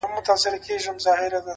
o مه وله د سترگو اټوم مه وله؛